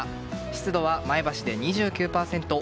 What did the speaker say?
湿度は前橋で２９％